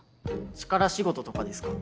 力仕事とかですか？